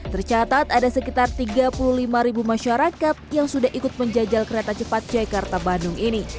tercatat ada sekitar tiga puluh lima ribu masyarakat yang sudah ikut menjajal kereta cepat jakarta bandung ini